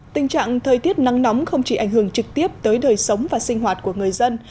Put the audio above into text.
tình trạng thời tiết nắng nóng không chỉ ảnh hưởng trực tiếp tới đời sống và sinh hoạt của người dân